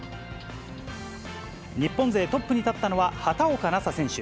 日本勢トップに立ったのは畑岡奈紗選手。